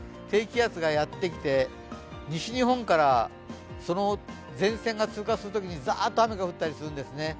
低気圧がやってきて西日本から前線が通過するときにざーっと雨が降ったりするんですね。